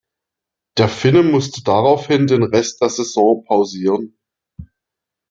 Der Finne musste daraufhin den Rest der Saison pausieren.